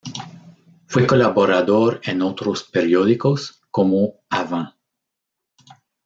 Fue colaborador en otros periódicos, como "Avant".